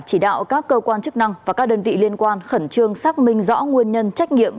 chỉ đạo các cơ quan chức năng và các đơn vị liên quan khẩn trương xác minh rõ nguyên nhân trách nhiệm